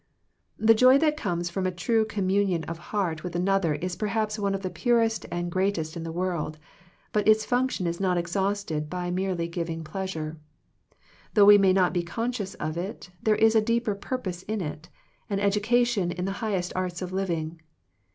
The joy that comes from a true com munion of heart with another is perhaps one of the purest and greatest in the world, but its function is not exhausted by merely giving pleasure. Though we may not be conscious of it, there is a deeper purpose in it, an education in the highest arts of living.